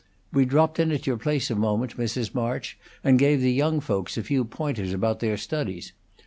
We dropped in at your place a moment, Mrs. March, and gave the young folks a few pointers about their studies.